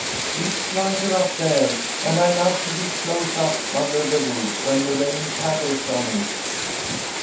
"It's lighter up there, and I love to be close up under the roof when the rain patters on it."